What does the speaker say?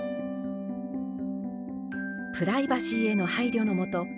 プライバシーへの配慮のもと